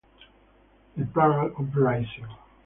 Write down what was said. The Prague Uprising.